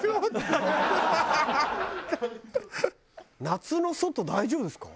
夏の外大丈夫ですか？